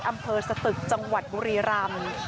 อำเภอสตึกจังหวัดบุรีรำ